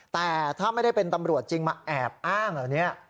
แต่ถ้าไม่ได้เป็นตำรวจจริงมาแอบอ้างเหล่านี้